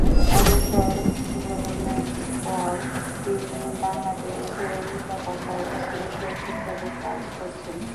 অবসর গ্রহণের পর থেকে তিনি বাংলাদেশে নিরাপত্তা বিশ্লেষক হিসেবে কাজ করছেন।